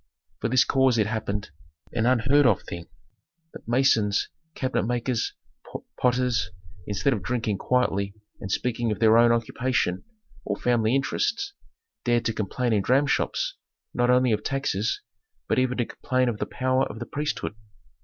For this cause it happened, an unheard of thing, that masons, cabinet makers, potters, instead of drinking quietly and speaking of their own occupation, or family interests, dared to complain in dramshops, not only of taxes, but even to complain of the power of the priesthood.